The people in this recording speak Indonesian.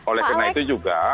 oleh karena itu juga